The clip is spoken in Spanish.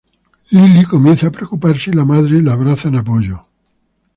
Lily comienza a preocuparse, y la Madre la abraza en apoyo.